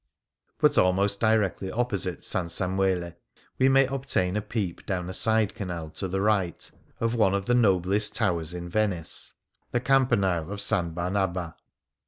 But almost directly opposite S. Samuele, we may obtain a peep down a side canal, to the right, of one of the noblest towers in Venice, the campanile of S. Barnaba.